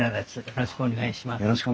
よろしくお願いします。